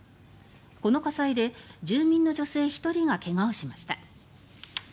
この火災で住民の女性１人が怪我をしました。